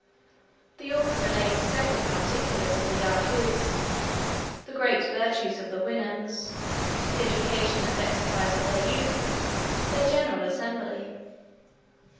The author relates several particulars of the Yahoos. The great virtues of the Houyhnhnms. The education and exercise of their youth. Their general assembly.